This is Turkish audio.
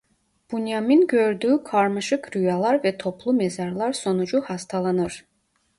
Bünyamin gördüğü karmaşık rüyalar ve toplu mezarlar sonucu hastalanır.